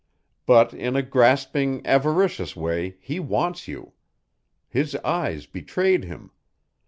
But in a grasping, avaricious way he wants you. His eyes betrayed him.